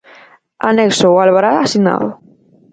Anexo o albará asinado